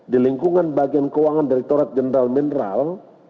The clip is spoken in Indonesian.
di lingkungan bagian keuangan direkturat jenderal mineral